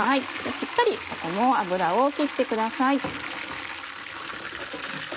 しっかりここも油を切ってください。